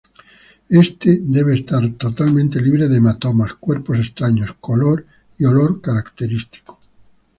Este debe estar totalmente libre de hematomas, cuerpos extraños, color y olor característico.